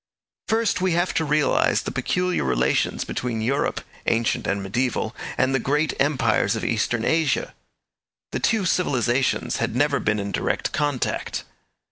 First, we have to realize the peculiar relations between Europe, ancient and mediaeval, and the great empires of Eastern Asia. The two civilizations had never been in direct contact.